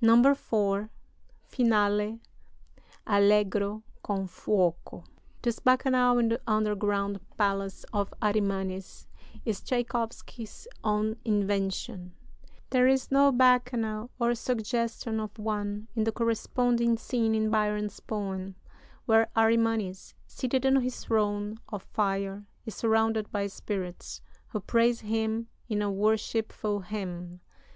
IV (Finale: Allegro con fuoco) This bacchanal in the underground palace of Arimanes is Tschaikowsky's own invention; there is no bacchanal, or suggestion of one, in the corresponding scene in Byron's poem, where Arimanes, seated on his throne of fire, is surrounded by spirits, who praise him in a worshipful hymn.